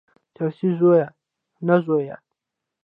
چرسي زوی، نه زوی.